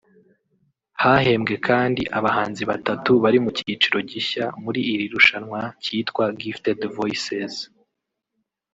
Hahembwe kandi abahanzi batatu bari mu cyiciro gishya muri iri rushanwa cyitwa Gifted voices